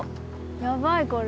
やばいこれ。